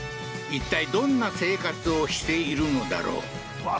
いったいどんな生活をしているのだろううわ